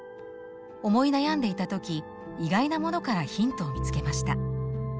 思い悩んでいた時意外なものからヒントを見つけました。